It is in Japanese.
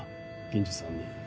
銀次さんに